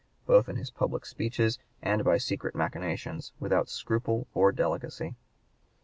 both in his public speeches and by secret machinations, without scruple or delicacy."